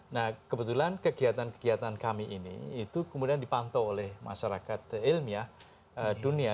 nah kebetulan kegiatan kegiatan kami ini itu kemudian dipantau oleh masyarakat ilmiah dunia